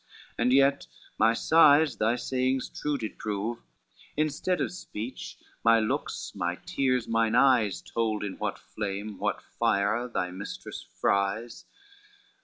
And yet my sighs thy sayings true did prove, Instead of speech, my looks, my tears, mine eyes, Told in what flame, what fire thy mistress fries.